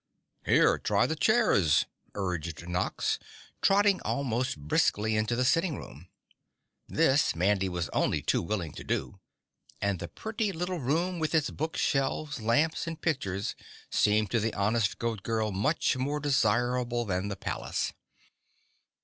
"Here, try the chairs," urged Nox, trotting almost briskly into the sitting room. This, Mandy was only too willing to do, and the pretty little room with its book shelves, lamps and pictures seemed to the honest Goat Girl much more desirable than the palace.